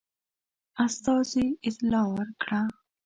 استازي اطلاع ورکړه.